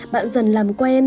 bạn dần làm quen